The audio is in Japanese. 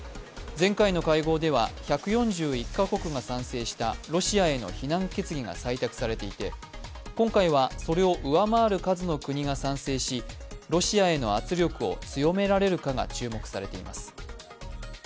前回の会合では１４１カ国が賛成したロシアへの非難決議が採択されていて今回はそれを上回る数の国が賛成しロシアへの圧力を強められるかが注目されています。